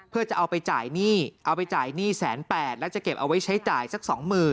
เพื่อจะเอาไปจ่ายหนี้เอาไปจ่ายหนี้๑๘๐๐บาทแล้วจะเก็บเอาไว้ใช้จ่ายสัก๒๐๐๐